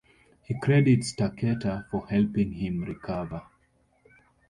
He credits Taketa for helping him recover.